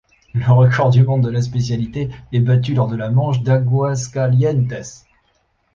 Le record du monde de la spécialité est battu lors de la manche d'Aguascalientes.